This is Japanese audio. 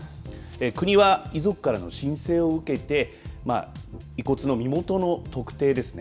国は遺族からの申請を受けて遺骨の身元の特定ですね。